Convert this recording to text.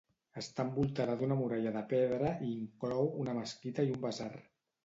Està envoltada d'una muralla de pedra i inclou una mesquita i un basar.